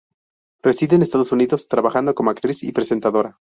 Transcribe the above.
Reside en Estados Unidos, trabajando como actriz y presentadora.